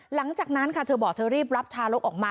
หลังจากนั้นค่ะเธอบอกเธอรีบรับทารกออกมา